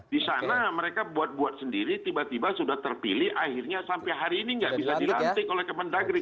di sana mereka buat buat sendiri tiba tiba sudah terpilih akhirnya sampai hari ini nggak bisa dilantik oleh kemendagri